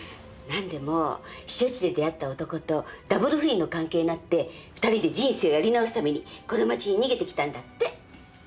何でも避暑地で出会った男とダブル不倫の関係になって二人で人生をやり直すためにこの街に逃げてきたんだって。